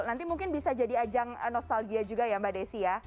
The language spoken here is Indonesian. nanti mungkin bisa jadi ajang nostalgia juga ya mbak desi ya